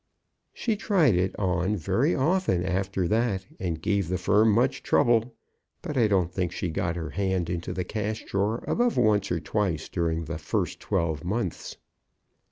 She tried it on very often after that, and gave the firm much trouble, but I don't think she got her hand into the cash drawer above once or twice during the first twelve months.